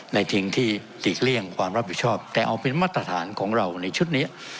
ในสิ่งที่หลีกเลี่ยงความรับผิดชอบแต่เอาเป็นมาตรฐานของเราในชุดนี้